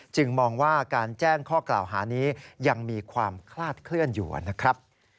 มองว่าการแจ้งข้อกล่าวหานี้ยังมีความคลาดเคลื่อนอยู่นะครับ